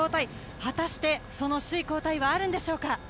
果たしてその首位交代はあるんでしょうか？